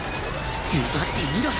奪ってみろ！